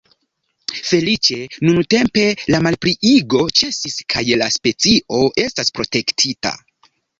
Feliĉe nuntempe la malpliigo ĉesis kaj la specio estas protektita.